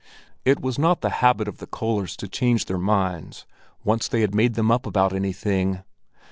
It was not the habit of the Köllers to change their minds once they had made them up about anything.